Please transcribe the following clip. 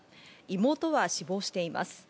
妹は死亡しています。